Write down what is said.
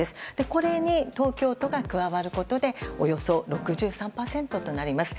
これに東京都が加わることでおよそ６３％となります。